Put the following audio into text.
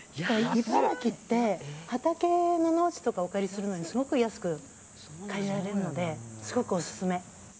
茨城って畑の農地とかお借りするのにすごく安く借りられるのですごくオススメ。